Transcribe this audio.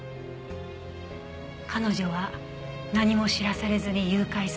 彼女は何も知らされずに誘拐された。